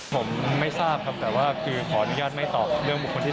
ผมไม่ทราบครับแต่ว่าคือขออนุญาตไม่ตอบเรื่องบุคคลที่๓